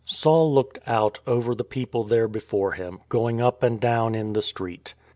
Saul looked out over the people there before him, going up and down in the street.